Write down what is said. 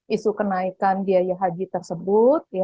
isu kenaikan biaya haji tersebut